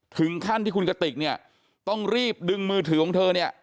ถึงขั้นที่คุณกติกเนี่ยต้องรีบดึงมือถือของเธอเนี่ย